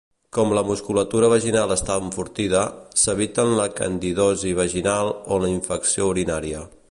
Com la musculatura vaginal està enfortida, s'eviten la candidosi vaginal o la infecció urinària.